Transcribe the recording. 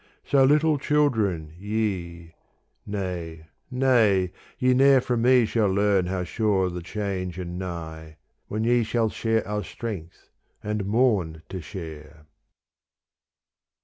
So little children ye — nay nay, ye ne'er From me shall learn how sure the change and nigh When ye shall share our strength and mourn to share.